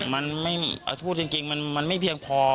มันพูดจริงมันไม่เพียงพอ